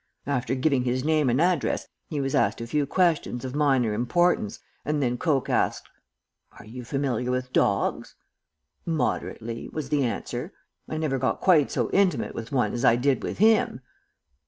After giving his name and address he was asked a few questions of minor importance, and then Coke asked: "'Are you familiar with dogs?' "'Moderately,' was the answer. 'I never got quite so intimate with one as I did with him.'